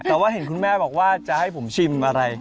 แต่ว่าเห็นคุณแม่บอกว่าจะให้ผมชิมอะไร